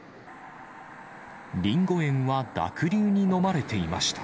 リンゴ園は濁流にのまれていました。